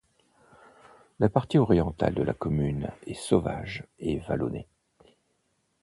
La partie orientale de la commune est sauvage et vallonnée.